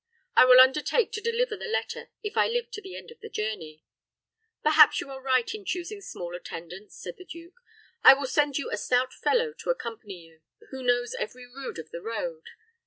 I will undertake to deliver the letter, if I live to the end of the journey." "Perhaps you are right in choosing small attendance," said the duke. "I will send you a stout fellow to accompany you, who knows every rood of the road.